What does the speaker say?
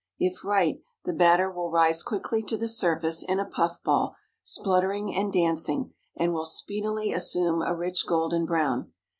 If right, the batter will rise quickly to the surface in a puff ball, spluttering and dancing, and will speedily assume a rich golden brown.